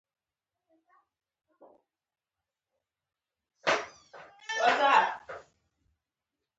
لمسی د شپو کیسې خوښوي.